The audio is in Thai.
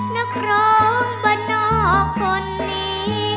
นักร้องประนอกคนนี้